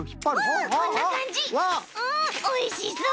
うんおいしそう！